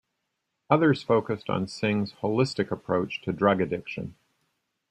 Others focused on Singh's holistic approach to drug addiction.